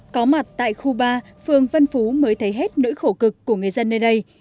có mặt tại khu ba phường vân phú mới thấy hết nỗi khổ cực của người dân nơi đây